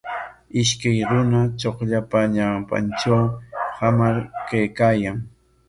Ishkay runa chukllapa ñawpantraw hamar kaykaayan.